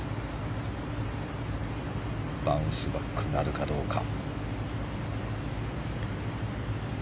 バウンスバックなるかどうか。